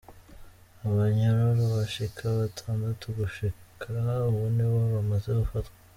Abanyororo bashika batandatu gushika ubu ni bo bamaze gufatwa.